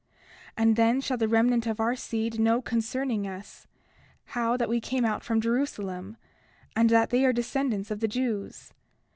30:4 And then shall the remnant of our seed know concerning us, how that we came out from Jerusalem, and that they are descendants of the Jews.